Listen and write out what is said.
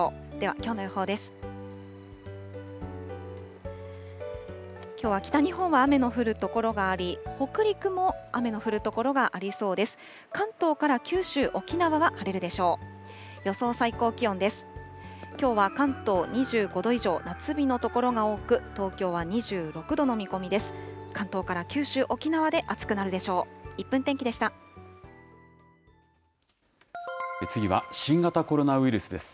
きょうは関東２５度以上、夏日の所が多く、東京は２６度の見込みです。